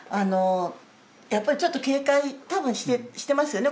やっぱりちょっと警戒多分してますよね